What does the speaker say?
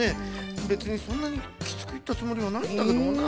べつにそんなにきつくいったつもりはないんだけどもな。